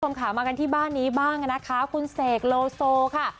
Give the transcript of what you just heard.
คุณผู้ชมค่ะมากันที่บ้านนี้บ้างนะคะคุณเสกโลโซค่ะ